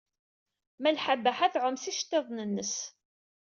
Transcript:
Malḥa Baḥa tɛum s yiceḍḍiḍen-nnes.